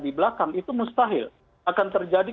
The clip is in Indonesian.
di belakang itu mustahil akan terjadi